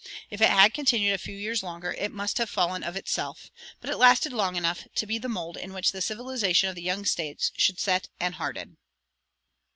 If it had continued a few years longer it must have fallen of itself; but it lasted long enough to be the mold in which the civilization of the young States should set and harden.